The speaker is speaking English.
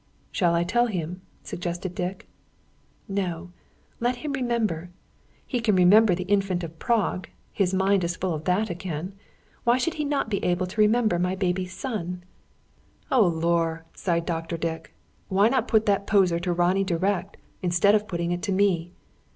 "Shall I tell him?" suggested Dick. "No, let him remember. He can remember his Infant of Prague; his mind is full of that again. Why should he not be able to remember my baby son?" "Oh, lor!" sighed Dr. Dick. "Why not put that poser to Ronnie direct, instead of putting it to me?